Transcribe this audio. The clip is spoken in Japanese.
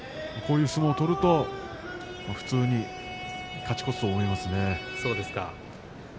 こういう相撲を取ると普通に勝ち越すと思いますね。